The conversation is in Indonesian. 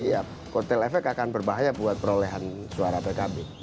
ya kotel efek akan berbahaya buat perolehan suara pkb